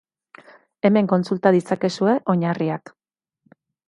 Hemen kontsulta ditzakezue oinarriak.